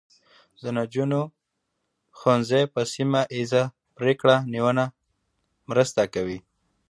د نجونو ښوونځي په سیمه ایزه پرېکړه نیونه کې مرسته کوي.